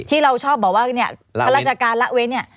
ที่เราชอบบอกว่าเนี่ยข้าราชการละเว้นเนี่ย